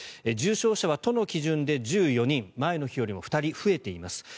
重症者は都の基準で１４人前の日より２人増えています。